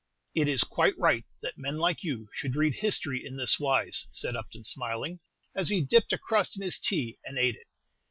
"It is quite right that men like you should read history in this wise," said Upton, smiling, as he dipped a crust in his tea and ate it.